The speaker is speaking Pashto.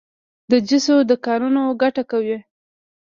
د جوسو دکانونه ګټه کوي؟